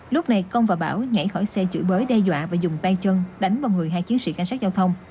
lúc này công và bảo nhảy khỏi xe chửi bới đe dọa và dùng tay chân đánh vào người hai chiến sĩ cảnh sát giao thông